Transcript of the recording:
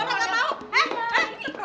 ah mau bagus mau ngapain